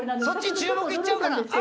そっち注目行っちゃうから。